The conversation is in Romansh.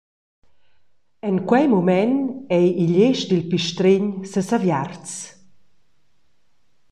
En quei mument ei igl esch dil pistregn sesaviarts.